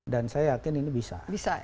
dan saya yakin ini bisa